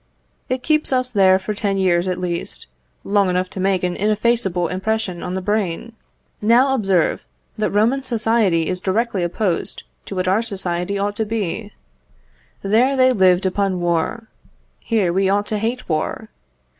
It keeps us there for ten years at least, long enough to make an ineffaceable impression on the brain. Now observe, that Roman society is directly opposed to what our society ought to be. There they lived upon war; here we ought to hate war.